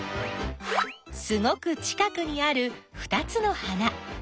すごく近くにあるふたつの花。